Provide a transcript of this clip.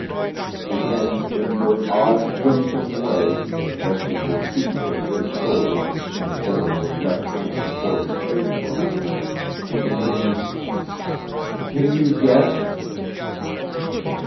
And then, in her odd, winsome way, resting her cheek against his shoulder and holding her left hand before his face for a moment, she continued: "Can you guess?"